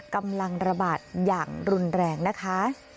กำลังระบาดอย่างรุนแรงนะคะ